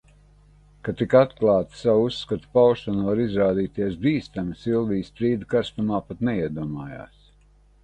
Ka tik atklāta savu uzskatu paušana var izrādīties bīstama, Silvija strīda karstumā pat neiedomājas.